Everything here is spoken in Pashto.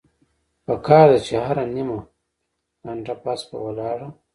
پکار ده چې هره نيمه ګنټه پس پۀ ولاړه